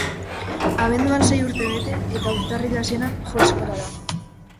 Abenduan sei urte bete, eta urtarril hasieran, jo eskolara.